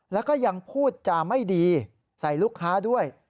แล้วก็ยังพูดจาไม่ดีใส่ลูกค้าด้วย